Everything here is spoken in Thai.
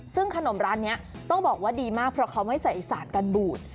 ซึ่งขนมร้านนี้ต้องบอกว่าดีมากเพราะเขาไม่ใส่สารกันบูด